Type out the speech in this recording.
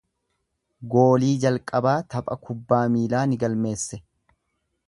Goolii jalqabaa tapha kubbaa miilaa ni galmeesse.